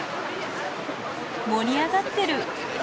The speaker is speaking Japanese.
盛り上がってる。